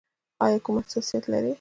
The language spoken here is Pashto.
ایا کوم حساسیت لرئ؟